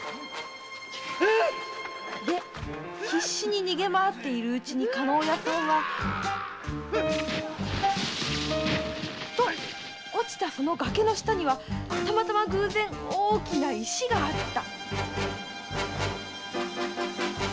必死に逃げ回っているうちに加納屋さんは。と落ちたその崖の下にはたまたま偶然大きな石があった。